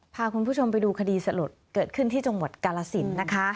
พาคุณผู้ชมไปดูคดีสลดเกิดขึ้นที่จังหวัดกาลสินนะคะ